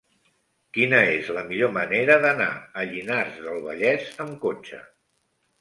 Quina és la millor manera d'anar a Llinars del Vallès amb cotxe?